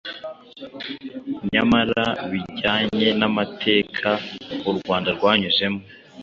Nyamara bijyanye n’amateka u Rwanda rwanyuzemo,